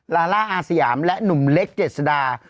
ลาล่าอาสยามและหนุ่มเล็กเจษดา